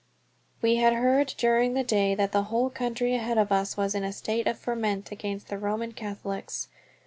We had heard during the day that the whole country ahead of us was in a state of ferment against the Roman Catholics.